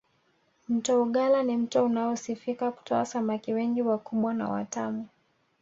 mto ugala ni mto unaosifika kutoa samaki wengi wakubwa na watamu